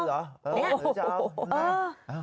จะเอา